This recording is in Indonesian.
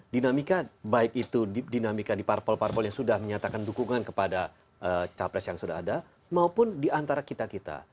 dinamika baik itu dinamika di parpol parpol yang sudah menyatakan dukungan kepada capres yang sudah ada maupun di antara kita kita